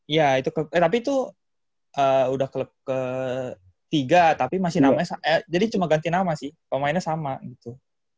iya tapi itu udah klub ketiga tapi masih namanya sama jadi cuma ganti nama sih pemainnya sama gitu